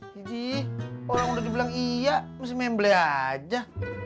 diji orang udah dibilang iya masih membeli aja